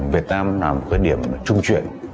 việt nam là một khởi điểm trung chuyển